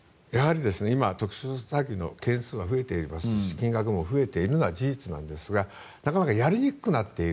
今特殊詐欺の件数が増えていますし金額も増えているのは事実なんですがなかなかやりにくくなっている。